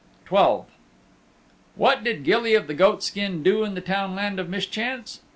XII What did Gilly of the Goatskin do in the Townland of Mischance?